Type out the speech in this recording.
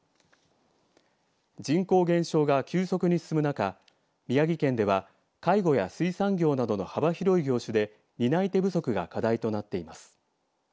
人口減少が急速に進む中宮城県では介護や水産業などの幅広い業種で担い手不足が課題となっています。